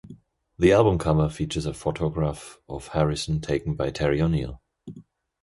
The album cover features a photograph of Harrison taken by Terry O'Neill.